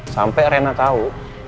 sampai rena tau